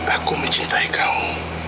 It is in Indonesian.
aku mencintai kamu